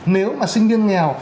nếu mà sinh viên nghèo